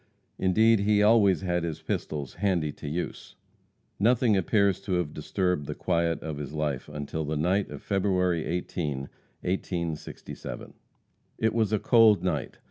Indeed, he always had his pistols "handy to use." Nothing appears to have disturbed the quiet of his life until the night of February 18, 1867. It was a cold night.